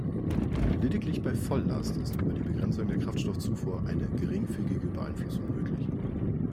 Lediglich bei Volllast ist über die Begrenzung der Kraftstoffzufuhr eine geringfügige Beeinflussung möglich.